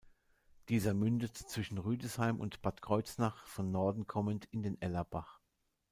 Dieser mündet zwischen Rüdesheim und Bad Kreuznach von Norden kommend in den Ellerbach.